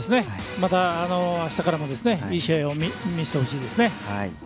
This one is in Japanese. またあしたからもいい試合を見せてほしいですね。